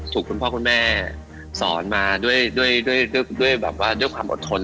ถูกคุณพ่อคุณแม่สอนมาด้วยความอดทน